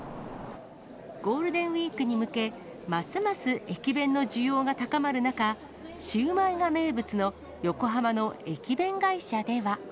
ゴールデンウィークに向け、ますます駅弁の需要が高まる中、シウマイが名物の横浜の駅弁会社では。